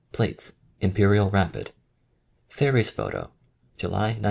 Plates: Imperial Rapid. Fairies photo : July 1917.